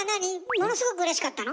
ものすごくうれしかったの？